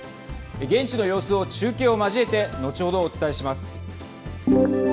現地の様子を中継を交えて後ほど、お伝えします。